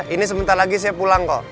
ini sebentar lagi saya pulang kok